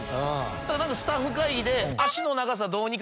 ただスタッフ会議で。